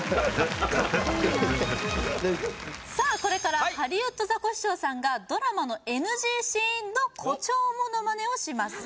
さあこれからハリウッドザコシショウさんがドラマのＮＧシーンの誇張モノマネをします